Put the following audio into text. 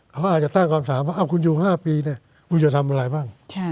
เขาอาจจะตั้งคำถามว่าคุณอยู่๕ปีเนี่ยคุณจะทำอะไรบ้าง